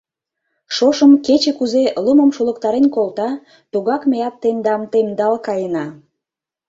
Шошым кече кузе лумым шулыктарен колта, тугак меат тендам темдал каена.